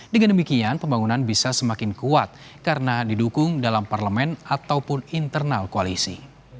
dengan demikian pembangunan bisa semakin kuat karena didukung dalam parlemen ataupun internal koalisi